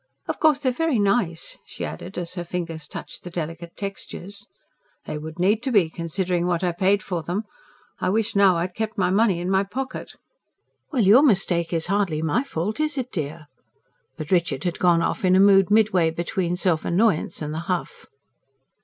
"Of course they're very nice," she added, as her fingers touched the delicate textures. "They would need to be, considering what I paid for them. I wish now I'd kept my money in my pocket." "Well, your mistake is hardly my fault, is it, dear?" But Richard had gone off in a mood midway between self annoyance and the huff.